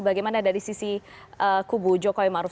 bagaimana dari sisi kubu jokowi maruf